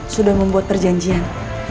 sudah membuat perjanjian